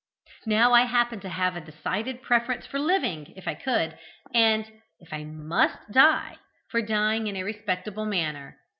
"Now I happened to have a decided preference for living, if I could, and, if I must die, for dying in a respectable manner.